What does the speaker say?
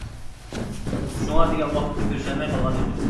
شۇڭا دېگەن ۋاقىتتا كۆرۈشەلمەي قالغان ئىدىم.